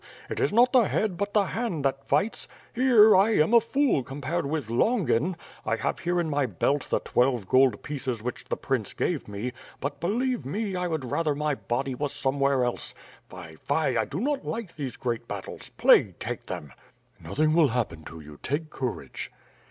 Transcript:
It is not the head but the hand that fights. Here, I am a fool compared with Longin. I have here in my belt the twelve gold pieces which the prince gave me. But, believe m^, I would rather my body was some where else. ... Fie, fie, I do not like those great battles. Plague take them!" "Nothing will happen to you; take courage."